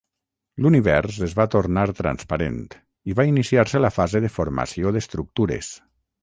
L'univers es va tornar transparent i va iniciar-se la fase de formació d'estructures.